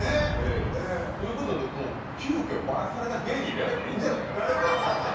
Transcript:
ええ。という事でもう急きょバラされた芸人をやればいいんじゃないかと。なるほど。